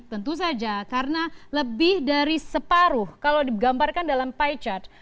tentu saja karena lebih dari separuh kalau digambarkan dalam pie chart